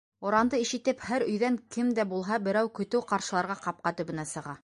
Оранды ишетеп, һәр өйҙән кем дә булһа берәү көтөү ҡаршыларға ҡапҡа төбөнә сыға.